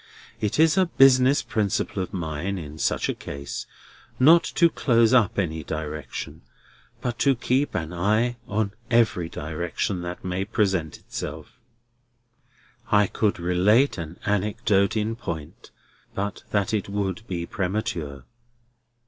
It is a business principle of mine, in such a case, not to close up any direction, but to keep an eye on every direction that may present itself. I could relate an anecdote in point, but that it would be premature."